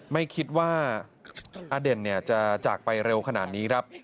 ไม่คิดว่าอเด่นจะจากไปเร็วขนาดนี้ครับ